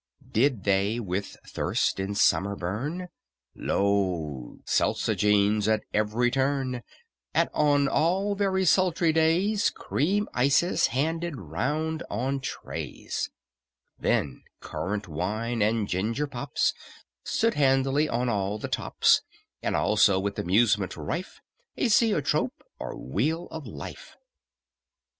Did they with thirst in summer burn, Lo, seltzogenes at every turn, And on all very sultry days Cream ices handed round on trays. Then currant wine and ginger pops Stood handily on all the "tops;" And also, with amusement rife, A "Zoetrope, or Wheel of Life."